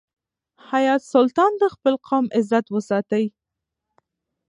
حیات سلطان د خپل قوم عزت وساتی.